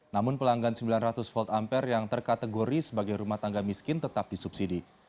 namun pelanggan sembilan ratus volt ampere yang terkategori sebagai rumah tangga miskin tetap disubsidi